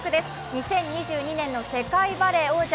２０２２年の世界バレー王者